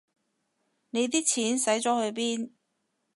你啲錢使咗去邊